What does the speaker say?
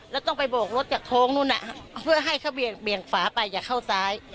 แล้วต้องไปโบกรถจากโค้งนู้นเพื่อให้เขาเบี่ยงฝาไปอย่าเข้าซ้าย